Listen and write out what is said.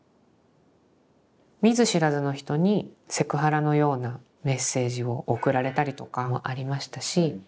見ず知らずの人にセクハラのようなメッセージを送られたりとかもありましたし。